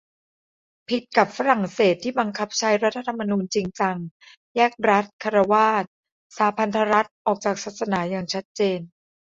ผิดกับฝรั่งเศส ที่บังคับใช้รัฐธรรมนูญจริงจัง แยกรัฐฆราวาส-สหพันธรัฐออกจากศาสนาอย่างชัดเจน